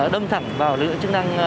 đâm thẳng vào lực lượng chức năng